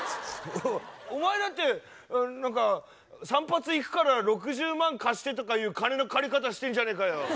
お前だって何か「散髪行くから６０万貸して」とかいう金の借り方してんじゃねえかよ。